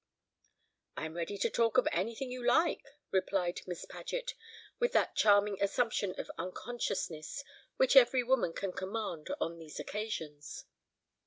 "I am ready to talk of anything you like," replied Miss Paget, with that charming assumption of unconsciousness which every woman can command on these occasions.